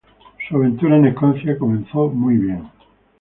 Su aventura en Escocia comenzó muy bien.